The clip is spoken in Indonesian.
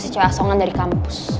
si cewek asongan dari kampus